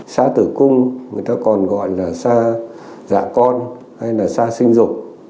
sa tử cung người ta còn gọi là sa dạ con hay là sa sinh dục